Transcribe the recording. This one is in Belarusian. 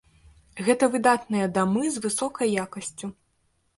Гэта выдатныя дамы з высокай якасцю.